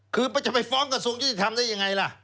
คือมันจะไปฟ้องกับส่วนจิตธรรมได้อย่างไรล่ะ